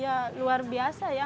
ya luar biasa ya